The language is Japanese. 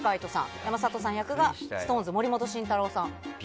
山里さん役がＳｉｘＴＯＮＥＳ森本慎太郎さん。